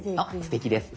すてきです。